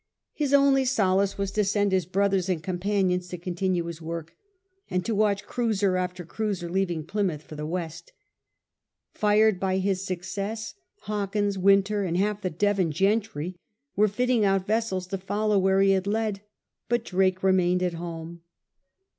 His only solace was to send his brothers and companions to continue his work, and to watch cruiser after cruiser leaving Plymouth for the West. Fired by his success, Hawkins, Wynter, and half the Devon gentry were fitting out vessels to follow where he had led, but Drake remained at home.